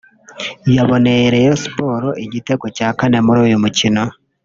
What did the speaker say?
yaboneye Rayon Sports igitego cya kane muri uyu mukino